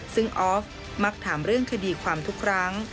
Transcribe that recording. ซึ่งออฟมักถามเรื่องคดีความทุกครั้ง